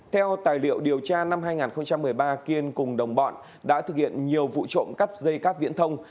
theo tài liệu điều tra năm hai nghìn một mươi ba kiên cùng đồng bọn đã thực hiện nhiều vụ trộm cắp dây cáp viễn thông